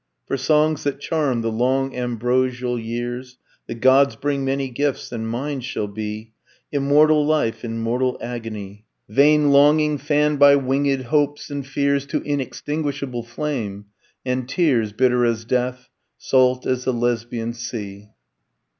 "For songs that charm the long ambrosial years The gods bring many gifts, and mine shall be Immortal life in mortal agony Vain longing, fanned by wingèd hopes and fears To inextinguishable flame and tears Bitter as death, salt as the Lesbian Sea."